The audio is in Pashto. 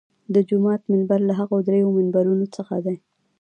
د جومات منبر له هغو درېیو منبرونو څخه دی.